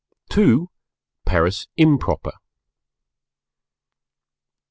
II. Paris Improper.